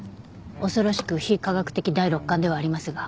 恐ろしく非科学的第六感ではありますが。